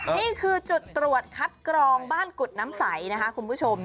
นี่คือจุดตรวจคัดกรองบ้านกุฎน้ำใสนะคะคุณผู้ชม